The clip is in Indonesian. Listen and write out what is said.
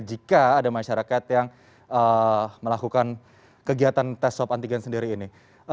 jika ada masyarakat yang melakukan kegiatan tes swab antigen sendiri ini